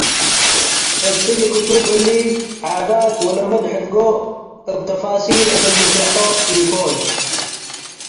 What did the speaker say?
እትሊ ክቱብ እሊ ዓዳት ወለመድ ሕድጎ እብ ተፍሲል እግል ንሽርሑ ኢኮን ።